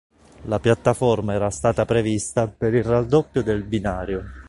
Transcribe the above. La piattaforma era stata prevista per il raddoppio del binario.